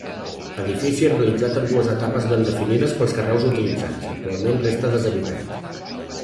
Edifici realitzat en dues etapes ben definides pels carreus utilitzats, actualment resta deshabitat.